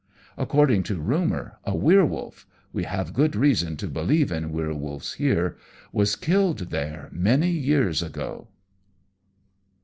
According to rumour, a werwolf we have good reason to believe in werwolfs here was killed there many years ago."